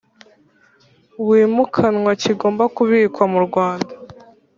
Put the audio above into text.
wimukanwa kigomba kubikwa mu Rwanda